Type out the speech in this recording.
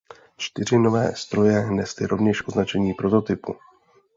Čtyři nové stroje nesly rovněž označení prototypů.